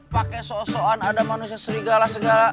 pakai so soan ada manusia serigala segala